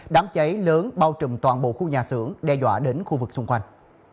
đám cháy lớn bao trùm toàn bộ khu nhà xưởng đe dọa đến khu vực xung quanh